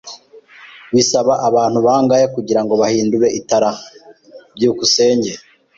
Bisaba abantu bangahe kugirango bahindure itara? byukusenge